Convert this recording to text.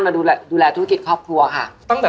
ตอนนี้กี่ขวบเหรอคะ